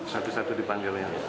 satu satu dipanggil ya